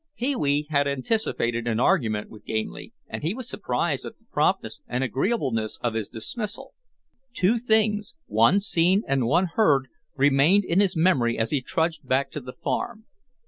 Pee wee had anticipated an argument with Gamely and he was surprised at the promptness and agreeableness of his dismissal. Two things, one seen and one heard, remained in his memory as he trudged back to the farm.